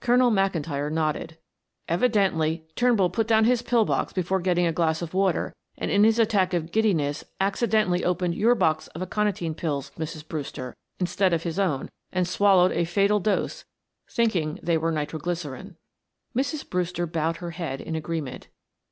Colonel McIntyre nodded. "Evidently Turnbull put down his pill box before getting a glass of water, and in his attack of giddiness accidentally opened your box of aconitine pills, Mrs. Brewster, instead of his own, and swallowed a fatal dose, thinking they were nitroglycerine." Mrs. Brewster bowed her head in agreement.